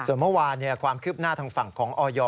ส่วนเมื่อวานความคืบหน้าทางฝั่งของออย